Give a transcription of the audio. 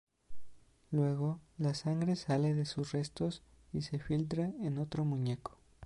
Luego, la sangre sale de sus restos y se filtra en otro muñeco.